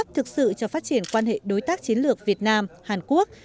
tự cho phát triển quan hệ đối tác chiến lược việt nam hàn quốc